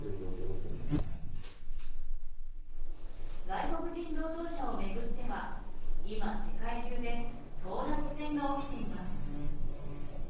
外国人労働者を巡っては今、世界中で争奪戦が起きています。